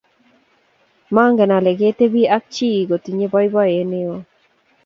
Mangen ale ketibi ak chii kotinye boiboiye ne oo.